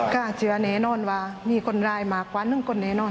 ก็จะแน่นอนว่ามีคนร้ายมากกว่านึง